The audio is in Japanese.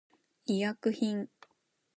医薬品